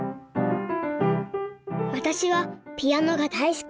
私はピアノが大好き。